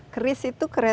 keris itu kereta